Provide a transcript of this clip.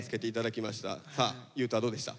さあ優斗はどうでした？